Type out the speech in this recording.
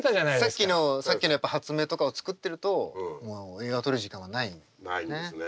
さっきのさっきのやっぱ発明とかを作ってるともう映画を撮る時間はないんですね。